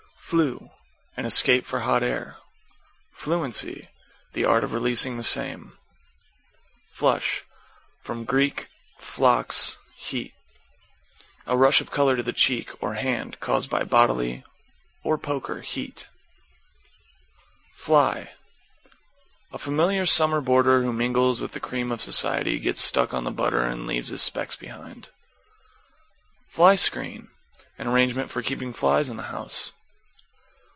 =FLUE= An escape for hot air. =FLUENCY= The art of releasing the same. =FLUSH= From Grk. phlox, heat. A rush of color to the cheek, or hand, caused by bodily or poker heat. =FLY= A familiar summer boarder who mingles with the cream of society, gets stuck on the butter and leaves his specs behind. =FLY SCREEN= An arrangement for keeping flies in the house.